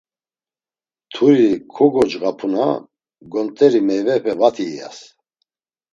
Mturi kogocğap̌una gont̆eri meyvepe vati iyas.